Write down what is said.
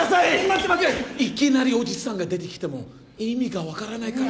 いきなりおじさんが出てきても意味がわからないから！